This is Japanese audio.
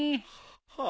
はあ